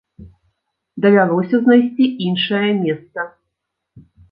Давялося знайсці іншае месца.